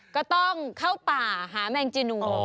ก็ต้องเข้าป่าหาแมงจีนู